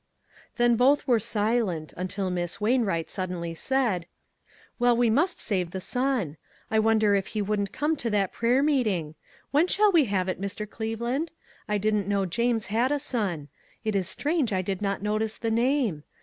Then both were silent, until Miss Wain wright suddenly said :" Well, we must save the son. I wonder if lie wouldn't come to that prayer meeting? When shall we have it, Mr. Cleveland? I didn't know James had a son. It is strange I did not notice the name.